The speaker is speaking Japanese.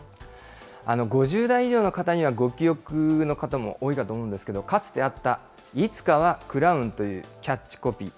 ５０代以上の方にはご記憶の方も多いかと思うんですけど、かつてあった、いつかはクラウンというキャッチコピー。